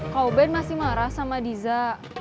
kauben masih marah sama diza